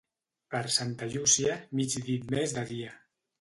Per Santa Llúcia, mig dit més de dia.